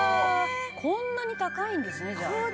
こんなに高いんですねじゃあ」